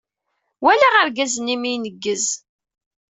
Walaɣ argaz-nni mi ineggez.